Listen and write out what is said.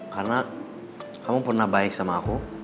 karena kamu pernah baik sama aku